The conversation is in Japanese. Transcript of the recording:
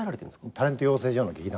タレント養成所の劇団だったの。